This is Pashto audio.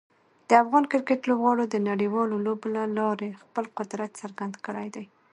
د افغان کرکټ لوبغاړو د نړیوالو لوبو له لارې خپل قدرت څرګند کړی دی.